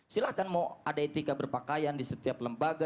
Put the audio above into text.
silahkan mau ada etika berpakaian di setiap lembaga